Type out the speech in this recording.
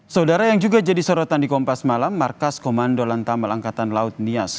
saudara yang juga jadi sorotan di kompas malam markas komando lantamal angkatan laut nias